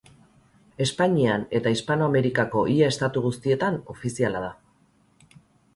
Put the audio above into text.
Espainian eta Hispanoamerikako ia estatu guztietan ofiziala da.